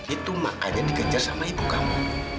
itu makanya dikejar sama ibu kamu